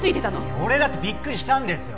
俺だってビックリしたんですよ